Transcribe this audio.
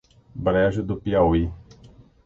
Brejo do Piauí